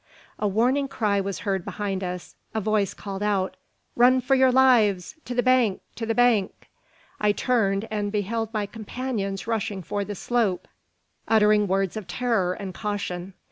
A warning cry was heard behind us. A voice called out: "Run for your lives! To the bank! to the bank!" I turned, and beheld my companions rushing for the slope, uttering words of terror and caution.